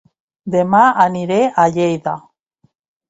Dema aniré a Lleida